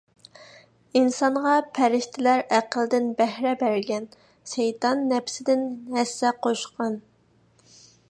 ئىنسانغا پەرىشتىلەر ئەقلىدىن بەھرە بەرگەن، شەيتان نەپسىدىن ھەسسە قوشقان.